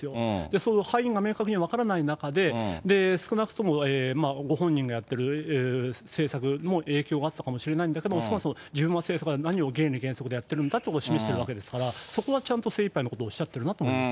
その敗因が明確に分からない中で少なくともご本人がやっている政策も影響があったかもしれないんだけれども、そもそも自分の政策が何を原理原則でやってるんだと、そこはちゃんと精いっぱいのことをおっしゃってるなと思います。